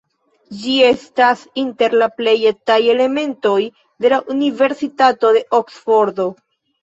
Ĝi estas inter la plej etaj elementoj de la Universitato de Oksfordo.